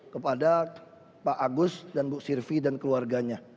kepada pak agus dan bu sirvi dan keluarganya